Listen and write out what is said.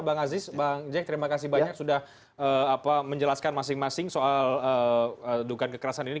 bang aziz bang jack terima kasih banyak sudah menjelaskan masing masing soal dugaan kekerasan ini